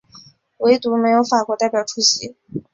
惟独没有法国代表出席。